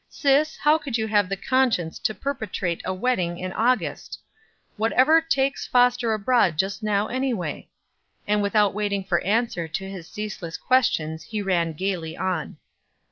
Sis, how could you have the conscience to perpetrate a wedding in August? Whatever takes Foster abroad just now, any way?" And without waiting for answer to his ceaseless questions he ran gaily on.